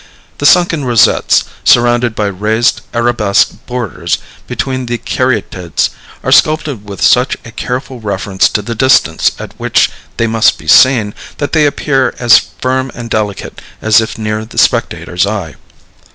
The sunken rosettes, surrounded by raised arabesque borders, between the caryatides, are sculptured with such a careful reference to the distance at which they must be seen, that they appear as firm and delicate as if near the spectator's eye.